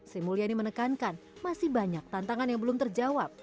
sri mulyani menekankan masih banyak tantangan yang belum terjawab